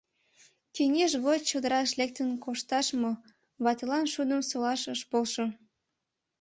Кеҥеж гоч чодыраш лектын кошташ мо — ватылан шудым солаш ыш полшо.